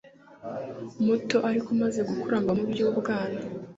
muto ariko maze gukura mva mu by ubwana